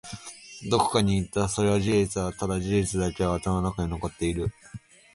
どこかに行った。それは事実だ。ただ、事実だけが頭の中に残っている。